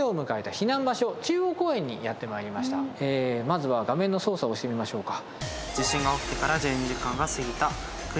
では皆さんにはまずは画面の操作をしてみましょうか。